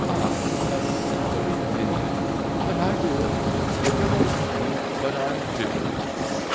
I a salaried minion! But I do it! It revolts me, but I do it!